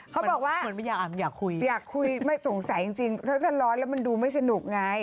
เขาบอกว่าอยากคุยสงสัยจริงเพราะถ้าร้อนแล้วมันดูไม่สนุกไง